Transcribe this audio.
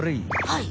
はい。